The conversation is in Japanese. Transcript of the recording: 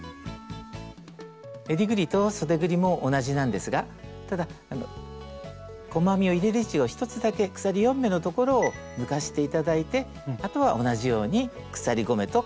えりぐりとそでぐりも同じなんですがただ細編みを入れる位置を１つだけ鎖４目の所を抜かして頂いてあとは同じように鎖５目と細編みを編んでいきます。